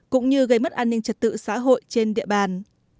cũng như gây mất an ninh trật tự xã hội trên địa bàn